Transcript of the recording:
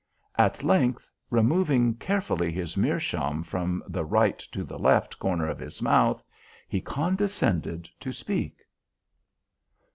At length, removing carefully his meerschaum from the right to the left corner of his mouth, he condescended to speak.